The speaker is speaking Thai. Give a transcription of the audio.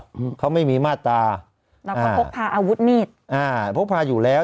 อืมเขาไม่มีมาตราแล้วก็พกพาอาวุธมีดอ่าพกพาอยู่แล้ว